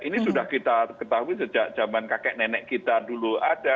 ini sudah kita ketahui sejak zaman kakek nenek kita dulu ada